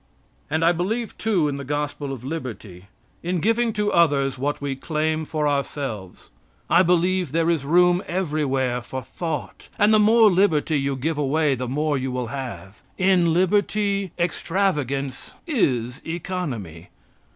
And I believe, too, in the gospel of liberty, in giving to others what we claim for ourselves. I believe there is room everywhere for thought, and the more liberty you give away the more you will have. In liberty, extravagance is economy.